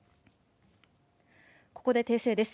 ここで訂正です。